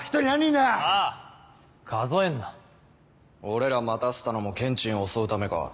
俺ら待たせたのもケンチン襲うためか。